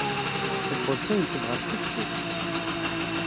Tuweḍ s ayen tebɣa s tefses.